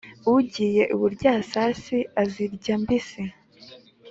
Ugiye iburyasazi azirya mbisi.